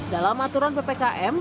dalam aturan ppkm